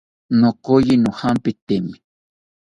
Nokoyi nojampitemi